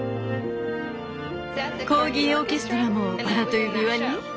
コーギーオーケストラも「バラと指輪」に？